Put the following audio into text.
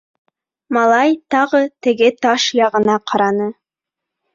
Малай тағы теге таш яғына ҡараны.